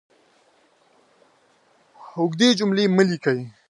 اوږدې جملې مه لیکئ!